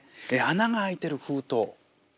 穴が開いてる封筒。